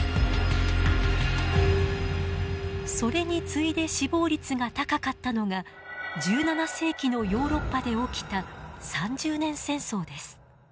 それに次いで死亡率が高かったのが１７世紀のヨーロッパで起きた三十年戦争です。